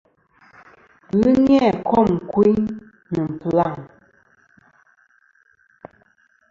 Ghɨ ni-a kôm kuyn nɨ̀ blaŋ.